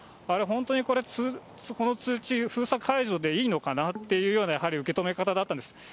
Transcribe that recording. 本当にこれ、この通知、封鎖解除でいいのかなっていうような、やはり受け止め方だったんです。